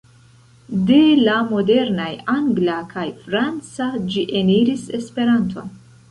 De la modernaj angla kaj franca ĝi eniris Esperanton.